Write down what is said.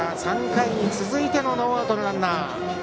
３回に続いてのノーアウトのランナー。